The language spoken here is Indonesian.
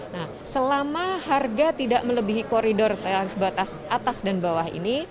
nah selama harga tidak melebihi koridor tarif batas atas dan bawah ini